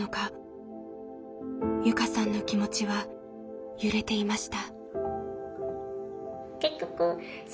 友佳さんの気持ちは揺れていました。